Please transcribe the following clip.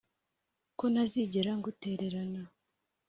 ko ntazigera ngutererana